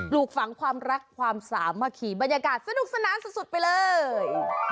ลูกฝังความรักความสามัคคีบรรยากาศสนุกสนานสุดไปเลย